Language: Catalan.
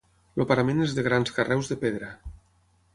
El parament és de grans carreus de pedra.